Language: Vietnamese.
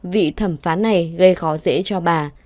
vị thẩm phán này gây khó dễ cho bà